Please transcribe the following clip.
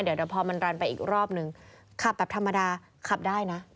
เดี๋ยวพอมันรันไปอีกรอบนึงขับแบบธรรมดาขับได้นะ